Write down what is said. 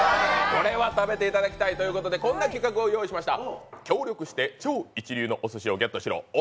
食べていただきたいということでこんな計画を用意しました。